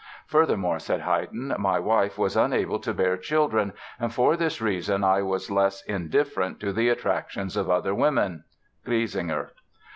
Furthermore, said Haydn, "my wife was unable to bear children and for this reason I was less indifferent to the attractions of other women" (Griesinger).